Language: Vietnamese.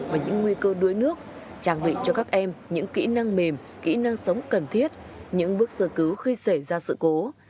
và những nguy cơ đuối nước trang bị cho các em những kỹ năng mềm kỹ năng sống cần thiết những bước sơ cứu khi xảy ra sự cố